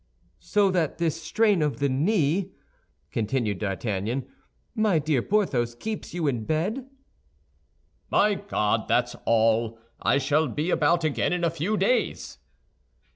"So that this strain of the knee," continued D'Artagnan, "my dear Porthos, keeps you in bed?" "My God, that's all. I shall be about again in a few days."